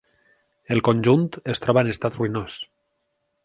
El conjunt es troba en estat ruïnós.